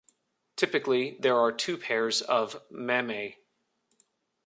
Typically, there are two pairs of mammae.